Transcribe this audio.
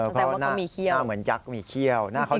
เพราะหน้าเหมือนยักษ์มีเขี้ยว